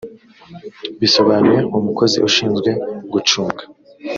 bisobanuye umukozi ushinzwe gucunga